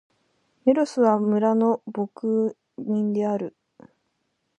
メロスは、村の牧人である。